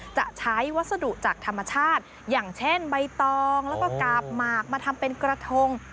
จะใช้วัสดุจากธรรมชาติอย่างเช่นใบตองแล้วก็กาบหมากมาทำเป็นกระทง